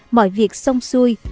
mọi việc xong xuôi